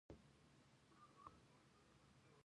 د حاصل د لوړوالي لپاره باید د خاورې کیفیت ښه شي.